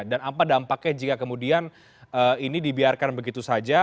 dan apa dampaknya jika kemudian ini dibiarkan begitu saja